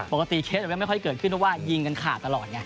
ปกติเคสยังไม่ค่อยเกิดขึ้นเพราะว่ายิงกันขาดตลอดไง